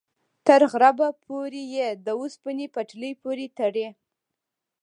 تر غربه پورې یې د اوسپنې پټلۍ پورې تړي.